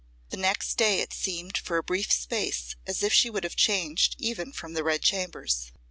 The next day it seemed for a brief space as if she would have changed even from the red chambers.